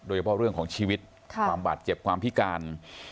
โดยเฉพาะเรื่องของชีวิตความบาดเจ็บความพิการ